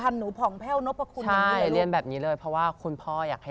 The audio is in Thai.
อุ๊ยหนูเรียนรดจบตอนเม๖